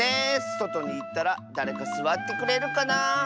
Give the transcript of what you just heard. そとにいったらだれかすわってくれるかなあ。